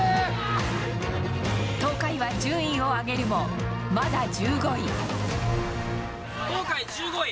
東海は順位を上げるも、東海１５位。